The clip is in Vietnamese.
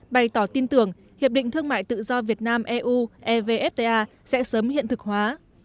bày tỏ tin tưởng hiệp định thương mại tự do việt nam eu evfta sẽ sớm hiện thực hóa